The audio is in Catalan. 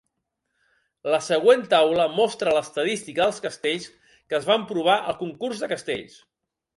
La següent taula mostra l'estadística dels castells que es van provar al concurs de castells.